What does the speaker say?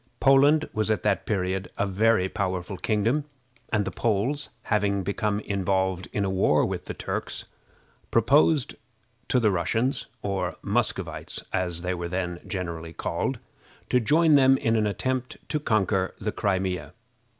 Poland was at that period a very powerful kingdom, and the Poles, having become involved in a war with the Turks, proposed to the Russians, or Muscovites, as they were then generally called, to join them in an attempt to conquer the Crimea.